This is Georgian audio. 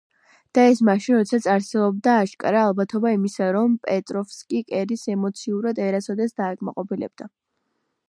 და ეს მაშინ, როდესაც არსებობდა აშკარა ალბათობა იმისა, რომ პეტროვსკი კერის ემოციურად ვერასოდეს დააკმაყოფილებდა.